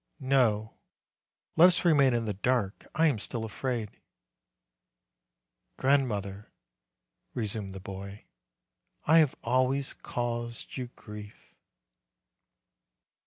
No; let us remain in the dark! I am still afraid." "Grandmother," resumed the boy, "I have always caused you grief."